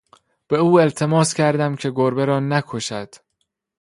به او التماس کردم که گربه را نکشد.